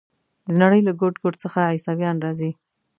د نړۍ له ګوټ ګوټ څخه عیسویان راځي.